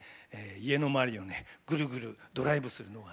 家の周りをぐるぐるドライブするのがね